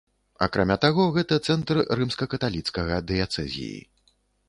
Акрамя таго, гэта цэнтр рымска-каталіцкага дыяцэзіі.